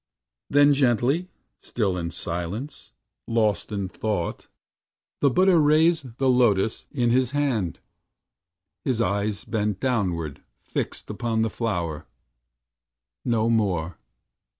Then gently, still in silence, lost in thought, The Buddha raised the Lotus in his hand, His eyes bent downward, fixed upon the flower. No more!